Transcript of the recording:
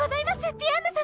ディアンヌ様。